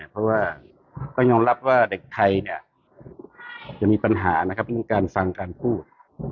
เพราะว่าก็ยอมรับว่าเด็กไทยจะมีปัญหานะครับเรื่องการฟังการพูด